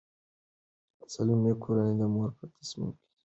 د سالمې کورنۍ د مور په تصمیم نیول کې مرسته کوي.